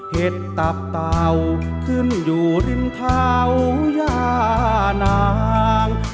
เห็ดตับเต่าขึ้นอยู่ริมเท้าย่านาง